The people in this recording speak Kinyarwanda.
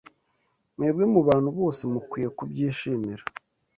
Mwebwe mubantu bose mukwiye kubyishimira.